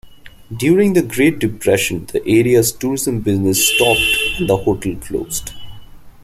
During the Great Depression, the area's tourism business stopped and the hotel closed.